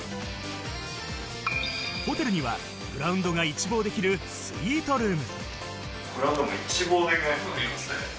ホテルにはグラウンドが一望できるスイートルーム。